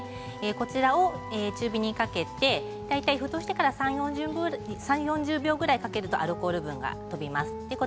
こちらを中火にかけて大体、沸騰してから３０秒、４０秒ぐらいかけるとアルコール分が飛びます。